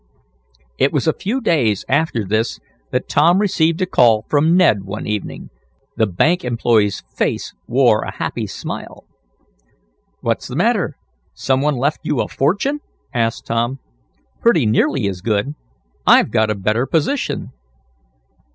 It was a few days after this that Tom received a call from Ned one evening. The bank employee's face wore a happy smile. "What's the matter; some one left you a fortune?" asked Tom. "Pretty nearly as good. I've got a better position."